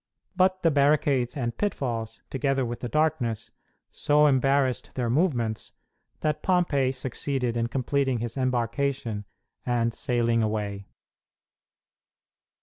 But the barricades and pitfalls, together with the darkness, so embarrassed their movements that Pompey succeeded in completing his embarkation and sailing away.